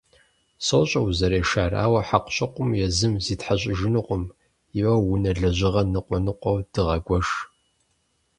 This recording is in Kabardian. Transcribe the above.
Сощӏэ узэрешар, ауэ хьэкъущыкъум езым зитхьэщӏыжынукъым. Еуэ, унэ лэжьыгъэр ныкъуэ ныкъуэу дыгъэгуэш.